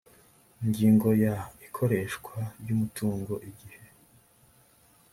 ingingo ya ikoreshwa ry umutungo igihe